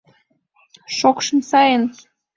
Шокшым сайын.